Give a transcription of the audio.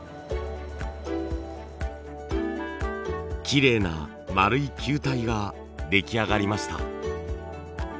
きれいなまるい球体が出来上がりました。